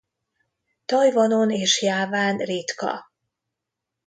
Tajvanon és Jáván ritka.